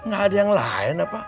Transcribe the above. gak ada yang lain apa